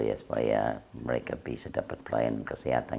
ya supaya mereka bisa dapat pelayanan kesehatan